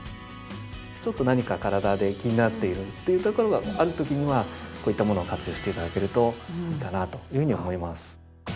ちょっと何か体で気になっているというところがある時にはこういったものを活用して頂けるといいかなというふうに思います。